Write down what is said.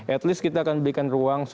at least kita akan berikan ruang